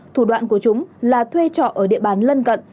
thủ đoạn của chúng là thuê trọ ở địa bàn lân cận